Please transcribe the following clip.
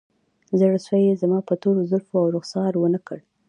زړسوی یې زما په تورو زلفو او رخسار ونه کړ